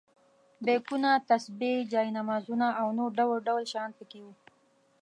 بیکونه، تسبیح، جاینمازونه او نور ډول ډول شیان په کې وو.